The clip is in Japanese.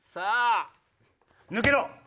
抜けろ！